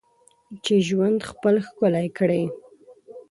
چې ژوند خپل ښکلی کړې.